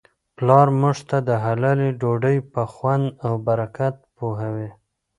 پلارموږ ته د حلالې ډوډی په خوند او برکت پوهوي.